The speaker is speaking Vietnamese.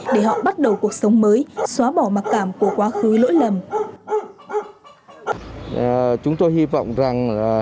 để họ bắt đầu cuộc sống mới xóa bỏ mặc cảm của quá khứ lỗi lầm